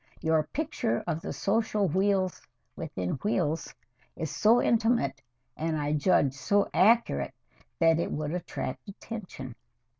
Your picture of the social wheels within wheels is so intimate, and I judge so accurate, that it would attract attention."